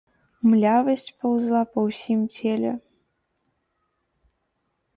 Млявасць паўзла па ўсім целе.